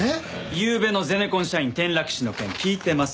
ゆうべのゼネコン社員転落死の件聞いてます？